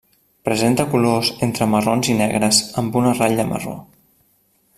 Presenta colors entre marrons i negres, amb una ratlla marró.